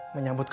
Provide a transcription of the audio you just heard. aku mau pulang